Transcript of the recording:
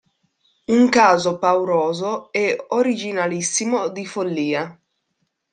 Un caso pauroso e originalissimo di follia.